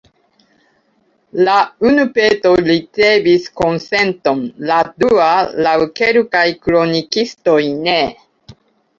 La unu peto ricevis konsenton, la dua, laŭ kelkaj kronikistoj, ne.